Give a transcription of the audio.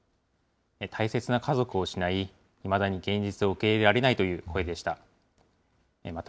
大切な家族を失い、いまだに現実を受け入れられないという声でした。